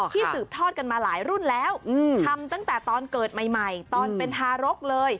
สืบทอดกันมาหลายรุ่นแล้วทำตั้งแต่ตอนเกิดใหม่ตอนเป็นทารกเลย